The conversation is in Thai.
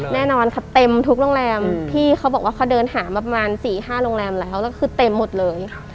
แน่นอนค่ะเต็มทุกโรงแรมพี่เขาบอกว่าเขาเดินหามาประมาณ๔๕โรงแรมแล้วแล้วคือเต็มหมดเลย